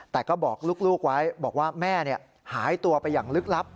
แต่ก็บอกลูกไว้บอกว่าแม่หายตัวไปอย่างลึกลับ